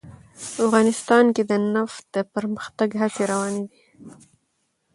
افغانستان کې د نفت د پرمختګ هڅې روانې دي.